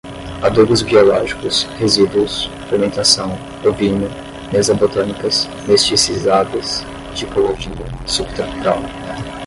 adubos biológicos, resíduos, fermentação, ovino, mesa-botânicas, mesticizadas, tipologia, sub-tropical